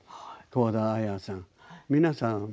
幸田文さん、皆さん